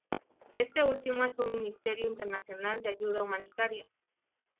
Este último es un ministerio internacional de ayuda humanitaria.